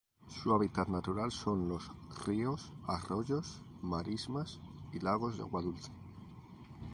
Su hábitat natural son los ríos, arroyos, marismas y lagos de agua dulce.